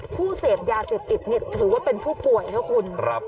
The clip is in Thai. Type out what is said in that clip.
ผู้เสพยาเสพติดนี่ถือว่าเป็นผู้ป่วยนะคุณ